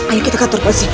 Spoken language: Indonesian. ayo kita ke kantor pulih sih